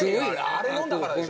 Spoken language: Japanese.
あれ飲んだからでしょ。